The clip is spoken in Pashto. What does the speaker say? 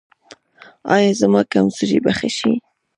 ایا زما کمزوري به ښه شي؟